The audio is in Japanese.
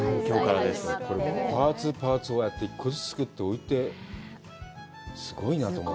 パーツ、パーツをああやって１個ずつ作って置いて、すごいなと思う。